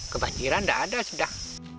kebanjiran tidak ada sudah